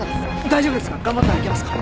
大丈夫ですか？